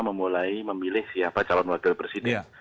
memulai memilih siapa calon wakil presiden